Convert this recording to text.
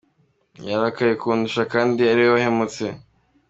Yarakaye kundusha kandi ari we wahemutse…”.